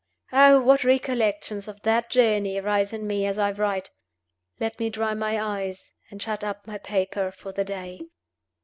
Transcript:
Oh, what recollections of that journey rise in me as I write! Let me dry my eyes, and shut up my paper for the day.